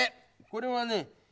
これはね